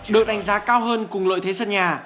được đánh giá cao hơn cùng lợi thế sân nhà